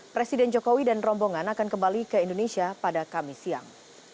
presiden jokowi dan rombongan akan kembali ke indonesia pada kamis siang